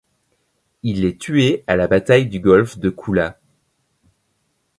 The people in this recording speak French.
Il est tué à la bataille du golfe de Kula.